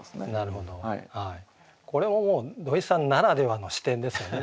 これももう土井さんならではの視点ですよね。